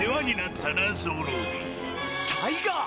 タイガー！